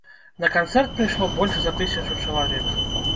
На канцэрт прыйшло больш за тысячу чалавек.